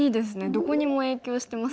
どこにも影響してますよね。